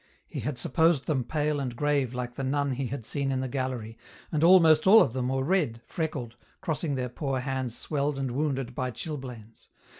He had supposed them pale and grave like the nun he had seen in the gallery, and almost all of them were red, freckled, crossing their poor hands swelled and wounded by chilblains.